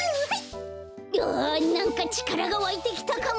あなんかちからがわいてきたかも。